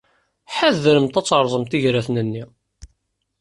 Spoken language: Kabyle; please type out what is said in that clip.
Ḥadremt ad terrẓemt igraten-nni.